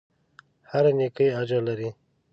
هره نېکۍ اجر لري.